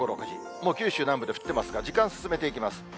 もう九州南部で降ってますが、時間進めていきます。